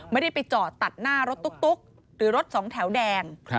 ไม่ได้ไปจอดตัดหน้ารถตุ๊กหรือรถสองแถวแดง